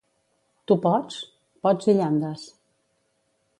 —Tu pots? —Pots i llandes.